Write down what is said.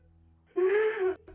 aku sudah berjalan